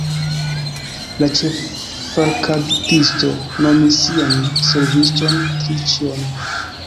La ĉeffalkgardisto nomis sian serviston Triĉjon.